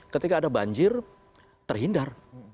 ketika ada banjir terhindar